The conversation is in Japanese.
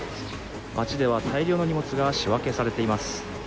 街では大量の荷物が仕分けされています。